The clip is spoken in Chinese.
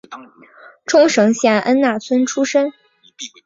冲绳县恩纳村出身。